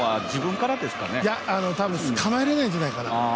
いや、捕まえられないんじゃないかな。